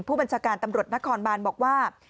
ผู้บัญชาการตำรวจนครบานบอกว่า